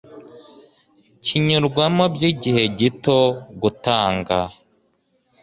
kinyurwamo by igihe gito gutanga